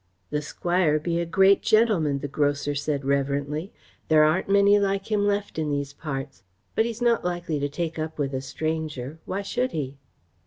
"The Squire be a great gentleman," the grocer said reverently. "There aren't many like him left in these parts. He's not likely to take up with a stranger. Why should he?"